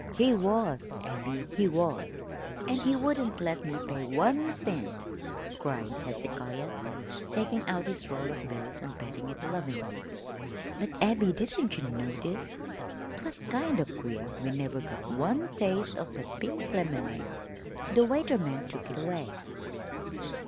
"He was, Abby, he was, an' he wouldn't let me pay one cent!" cried Hezekiah, taking out his roll of bills and patting it lovingly. "But, Abby, did ye notice? 'Twas kind o' queer we never got one taste of that pink lemonade. The waiter man took it away."